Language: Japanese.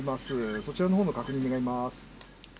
そちらの方の確認をお願いします。